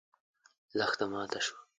لښته ماته شوه.